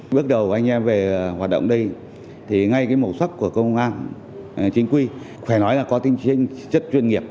bước đầu anh em về hoạt động đây ngay mẫu sắc của công an chính quy phải nói là có tinh chất chuyên nghiệp